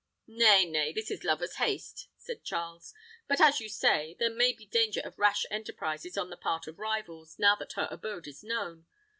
"Nay, nay, this is lovers' haste," said Charles. "But, as you say, there may be danger of rash enterprises on the part of rivals, now that her abode is known.